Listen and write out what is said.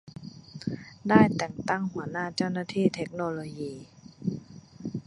ได้แต่งตั้งหัวหน้าเจ้าหน้าที่เทคโนโลยี